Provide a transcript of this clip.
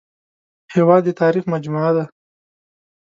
هېواد د تاریخ مجموعه ده